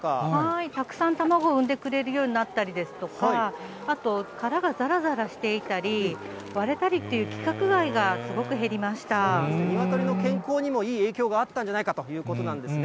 たくさんたまごを産んでくれるようになったりですとか、あと殻がざらざらしていたり、割れたりっていう規格外がすごくニワトリの健康にもいい影響があったということなんですね。